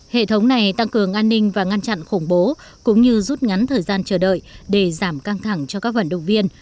hệ thống này tăng cường an ninh và ngăn chặn khủng bố cũng như rút ngắn thời gian chờ đợi để giảm căng thẳng cho các vận động viên